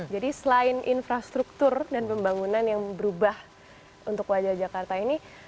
jadi selain infrastruktur dan pembangunan yang berubah untuk wajah jakarta ini